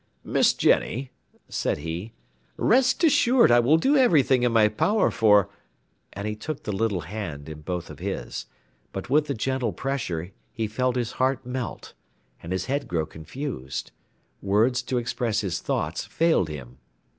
"Miss Jenny," said he, "rest assured I will do everything in my power for " And he took the little hand in both of his, but with the gentle pressure he felt his heart melt and his head grow confused: words to express his thoughts failed him.